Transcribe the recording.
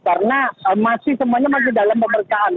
karena masih semuanya masih dalam pemerkaan